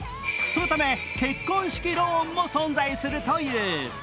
そのため結婚式ローンも存在するという。